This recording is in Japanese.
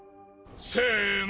せの。